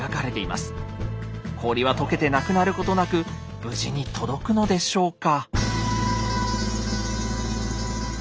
氷は解けてなくなることなく無事に届くのでしょうか？